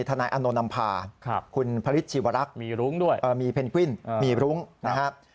ธนายอนุนัมภาคุณภริชชีวรักษ์มีรุ้งด้วยมีเพนกวิ่นมีรุ้งนะครับ